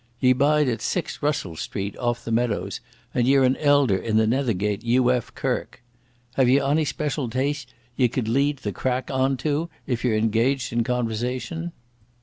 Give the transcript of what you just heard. Ye bide at 6, Russell Street, off the Meadows, and ye're an elder in the Nethergate U.F. Kirk. Have ye ony special taste ye could lead the crack on to, if ye're engaged in conversation?"